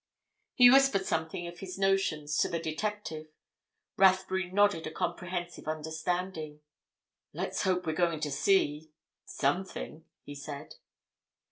He whispered something of his notions to the detective; Rathbury nodded a comprehensive understanding. "Let's hope we're going to see—something!" he said.